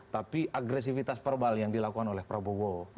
tapi agresivitas verbal yang dilakukan oleh prabowo